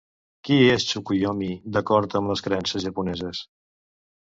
Qui és Tsukuyomi, d'acord amb les creences japoneses?